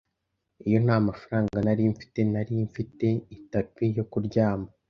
Iyo ntamafaranga nari mfite, nari mfite itapi yo kuryama.